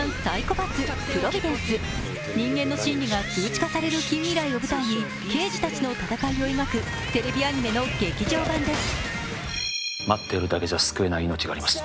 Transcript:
人間の心理が数値化される近未来を舞台に刑事たちの戦いを描くテレビアニメの劇場版です。